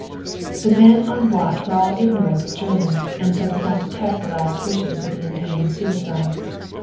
The men on watch were all ignorant of German, and so did not detect the last wishes of the intending suicide.